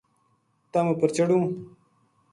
تم اپر چڑھوں‘‘